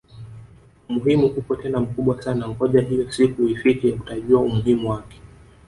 Umuhimu upo tena mkubwa sana ngoja hiyo siku ifike utajua umuhimu wake